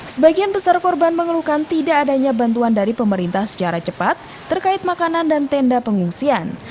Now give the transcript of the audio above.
sebagian besar korban mengeluhkan tidak adanya bantuan dari pemerintah secara cepat terkait makanan dan tenda pengungsian